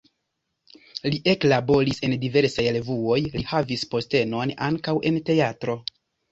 Li eklaboris en diversaj revuoj, li havis postenon ankaŭ en teatro.